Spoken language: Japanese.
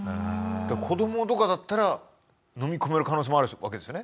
子どもとかだったらのみ込める可能性もあるわけですよね？